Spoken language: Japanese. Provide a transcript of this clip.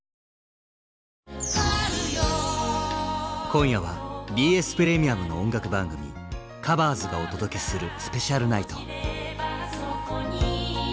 今夜は「ＢＳプレミアム」の音楽番組「ＴｈｅＣｏｖｅｒｓ」がお届けするスペシャルナイト。